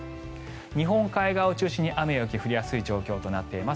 日本海側を中心に雨や雪が降りやすい状況となっています。